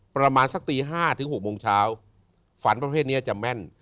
ประมาณสักตี๕ถึง๖โมงเช้าฝันประเภทนี้จะแม่น